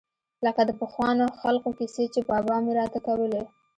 لکه د پخوانو خلقو کيسې چې بابا مې راته کولې.